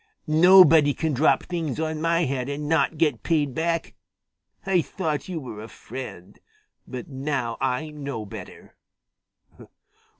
Nobody can drop things on my head and not get paid back. I thought you were a friend, but now I know better."